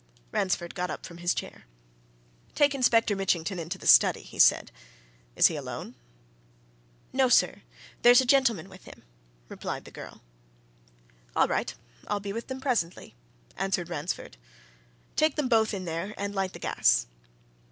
Ransford got up from his chair. "Take Inspector Mitchington into the study," he said. "Is he alone?" "No, sir there's a gentleman with him," replied the girl. "All right I'll be with them presently," answered Ransford. "Take them both in there and light the gas.